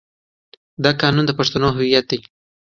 دا قانون د پښتنو هویت دی.